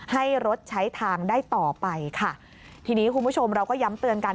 ให้รถใช้ทางได้ต่อไปค่ะทีนี้คุณผู้ชมเราก็ย้ำเตือนกัน